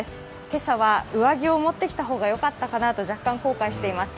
今朝は上着を持ってきた方がよかったかなと若干後悔しています。